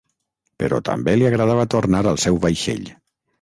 Però també li agradava tornar al seu vaixell.